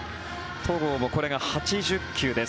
戸郷もこれが８０球です。